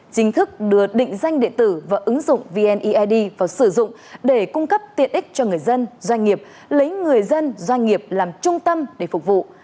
chính thức đưa định danh điện tử và ứng dụng vneid vào sử dụng để cung cấp tiện ích cho người dân doanh nghiệp lấy người dân doanh nghiệp làm trung tâm để phục vụ